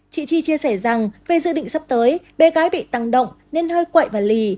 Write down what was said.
chị chi chia sẻ rằng về dự định sắp tới bé gái bị tăng động nên hơi quậy và lì